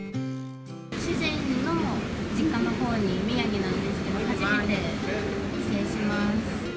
主人の実家のほうに、宮城なんですけど、初めて帰省します。